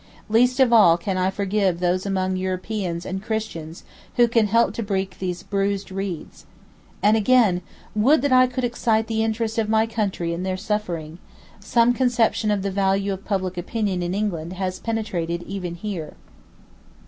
Least of all can I forgive those among Europeans and Christians who can help to break these bruised reeds." And again: "Would that I could excite the interest of my country in their suffering! Some conception of the value of public opinion in England has penetrated even here."